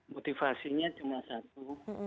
motivasinya cuma satu